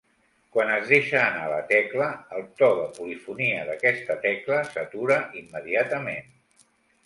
Quan es deixa anar la tecla, el to de polifonia d'aquesta tecla s'atura immediatament.